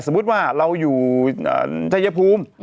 สมมุติว่าเราอยู่ใจยภูมิ